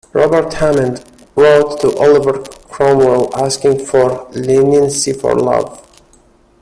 Robert Hammond wrote to Oliver Cromwell asking for leniency for Love.